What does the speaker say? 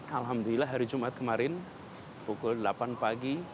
alhamdulillah hari jumat kemarin pukul delapan pagi